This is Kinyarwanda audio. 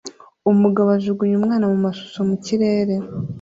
Umugabo ajugunya umwana mumashusho mu kirere